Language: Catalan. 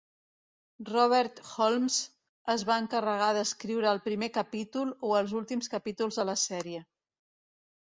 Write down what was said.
Robert Holmes es va encarregar d"escriure el primer capítol o els últims capítols de la sèrie.